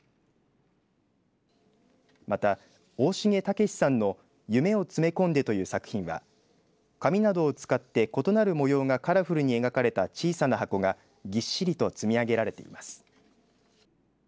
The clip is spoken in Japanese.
また、大重岳嗣さんの夢をつめこんでという作品は紙などを使って異なる模様がカラフルに描かれた小さな箱がぎっしりと積み上げられています。